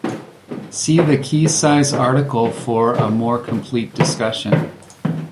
See the key size article for a more complete discussion.